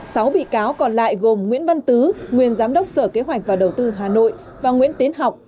sáu bị cáo còn lại gồm nguyễn văn tứ nguyên giám đốc sở kế hoạch và đầu tư hà nội và nguyễn tiến học